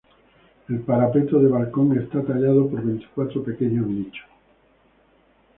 El parapeto de balcón está tallado con veinticuatro pequeños nichos.